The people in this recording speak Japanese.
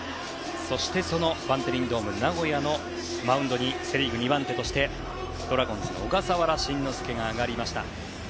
そして、そのバンテリンドームナゴヤのマウンドにセ・リーグ２番手としてドラゴンズの小笠原慎之介が上がりました。